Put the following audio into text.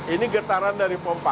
ini getaran dari pompa